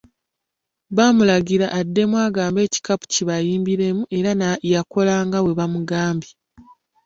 Baamulagira addemu agambe ekikapu kye kibayimbiremu era yakola nga bwe bamugambye.